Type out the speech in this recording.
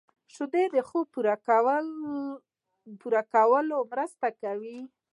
شیدې د خوب پوره کولو مرسته کوي